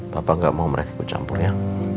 papa gak mau mereka bercampur ya